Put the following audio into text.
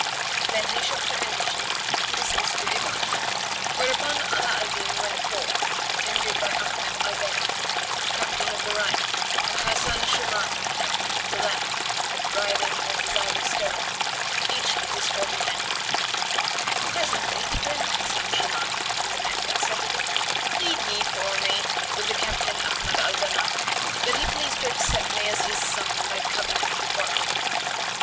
"[FN#81] Then he shook the handkerchief[FN#82] and dismissed the Divan, whereupon Ala al Din went forth, attended by Ahmad al Danaf, captain of the right, and Hasan Shъmбn, captain of the left, riding at his either stirrup, each with his forty men.[FN#83] Presently, he turned to Hasan Shuman and his men and said to them, "Plead ye for me with the Captain Ahmad al Danaf that he please to accept me as his son by covenant before Allah."